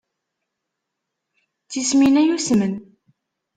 D tismin kan ay usmen.